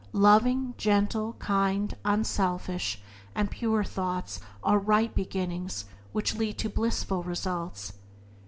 Loving, gentle, kind, unselfish and pure thoughts are right beginnings, which lead to blissful results.